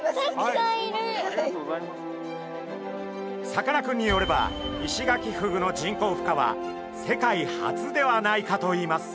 さかなクンによればイシガキフグの人工ふ化は世界初ではないかといいます。